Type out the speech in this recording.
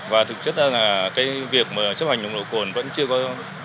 và thực chất là việc chấp hành nổ cồn vẫn chưa có